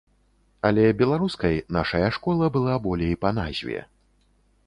Але беларускай нашая школа была болей па назве.